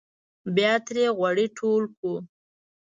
بیا ترې غوړي ټول کړو.